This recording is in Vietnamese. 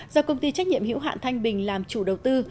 do công ty trách nhiệm hữu hạn thanh bình làm chủ đầu tư